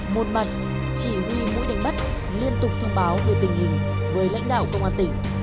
một mặt chỉ huy mũi đánh bắt liên tục thông báo về tình hình với lãnh đạo công an tỉnh